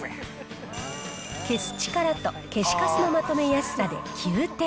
消す力と消しカスのまとめやすさで９点。